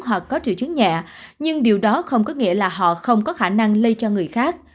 hoặc có triệu chứng nhẹ nhưng điều đó không có nghĩa là họ không có khả năng lây cho người khác